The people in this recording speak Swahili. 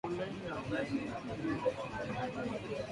shina ta kule